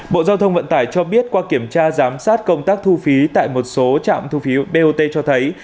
bộ giao thông vận tải cho biết qua kiểm tra giám sát công tác thu phí tại một số trạm thu phí bot cho thấy